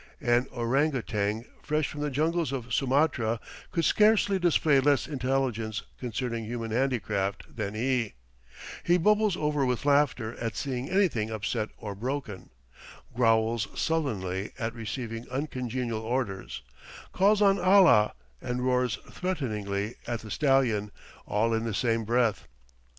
An orang outang, fresh from the jungles of Sumatra, could scarcely display less intelligence concerning human handicraft than he; he bubbles over with laughter at seeing anything upset or broken, growls sullenly at receiving uncongenial orders, calls on Allah, and roars threateningly at the stallion, all in the same breath.